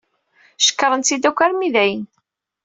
Cekṛen-tt-id akk armi d ayen.